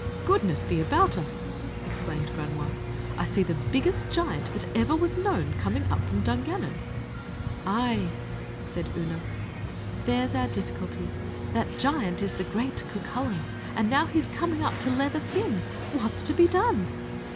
"Goodness be about us!" exclaimed Granua, "I see the biggest giant that ever was known coming up from Dungannon." "Ay," said Oonagh, "there's our difficulty. That giant is the great Cucullin; and he's now commin' up to leather Fin. What's to be done?"